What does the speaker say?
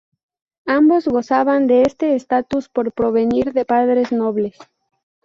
Ambos gozaban de este estatus por provenir de padres nobles.